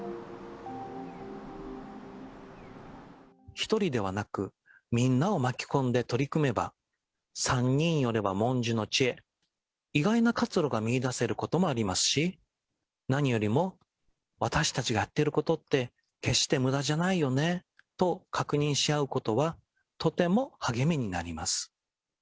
１人ではなく、みんなを巻き込んで取り組めば、三人寄れば文殊の知恵、意外な活路が見いだせることもありますし、何よりも私たちがやってることって、決してむだじゃないよねと確認し合うことは、とても励みになりま